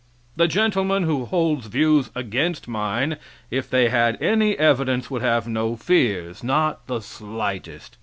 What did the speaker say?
The gentlemen who hold views against mine, if they had any evidence, would have no fears not the slightest.